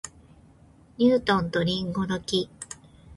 ニュートンと林檎の木